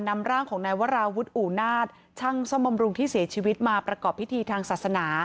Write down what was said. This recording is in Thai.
นำร่างของนายวราวุฒิอูนาศช่างซ่อมบำรุงที่เสียชีวิตมาประกอบพิธีทางศาสนา